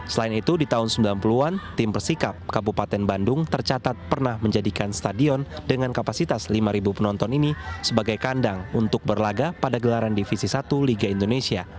selain itu di tahun sembilan puluh an tim persikap kabupaten bandung tercatat pernah menjadikan stadion dengan kapasitas lima penonton ini sebagai kandang untuk berlaga pada gelaran divisi satu liga indonesia